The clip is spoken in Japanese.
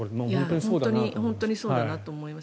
本当にそうだなと思います。